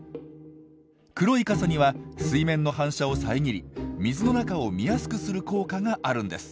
黒い傘には水面の反射をさえぎり水の中を見やすくする効果があるんです。